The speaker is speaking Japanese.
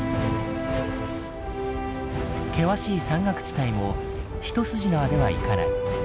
険しい山岳地帯も一筋縄ではいかない。